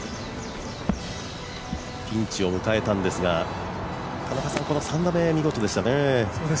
ピンチを迎えたんですが、この３打目見事でしたね。